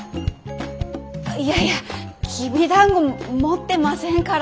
いやいやきびだんご持ってませんから。